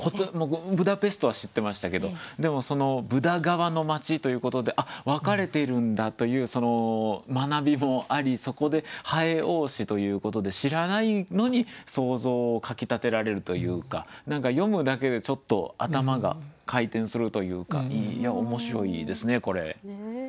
ブダペストは知ってましたけど「ブダ側の町」ということで分かれてるんだというその学びもありそこで「蠅多し」ということで知らないのに想像をかき立てられるというか読むだけでちょっと頭が回転するというか面白いですねこれ。